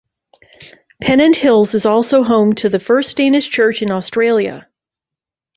Pennant Hills is also home to the first Danish Church in Australia.